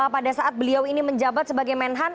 pada saat beliau ini menjabat sebagai menhan